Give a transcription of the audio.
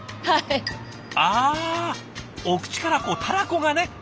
あお口からこうたらこがね。